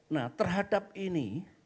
nah terhadap ini